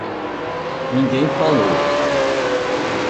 Ninguém falou.